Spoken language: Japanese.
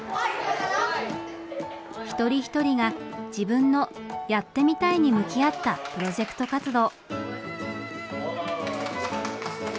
一人一人が自分の「やってみたい」に向き合ったプロジェクト活動。